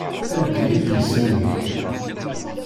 Ldi idlisen-ik!